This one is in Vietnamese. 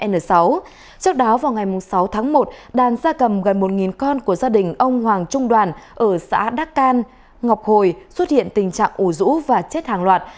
trước đó vào ngày sáu tháng một đàn gia cầm gần một con của gia đình ông hoàng trung đoàn ở xã đắc can ngọc hồi xuất hiện tình trạng ủ rũ và chết hàng loạt